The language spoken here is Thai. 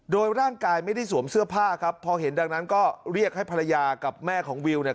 โดยร่างกายไม่ได้สวมเสื้อผ้าครับพอเห็นดังนั้นก็เรียกให้ภรรยากับแม่ของวิวเนี่ย